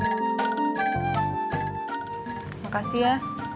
terima kasih ya